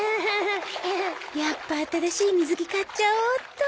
やっぱ新しい水着買っちゃおうっと